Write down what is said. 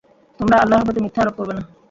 তোমরা আল্লাহর প্রতি মিথ্যা আরোপ করবে না।